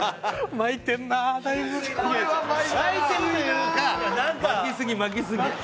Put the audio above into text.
巻きすぎ巻きすぎ。